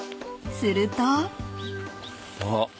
［すると］あっ。